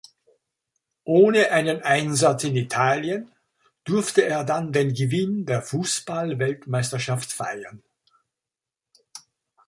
Ohne einen Einsatz in Italien durfte er dann den Gewinn der Fußball-Weltmeisterschaft feiern.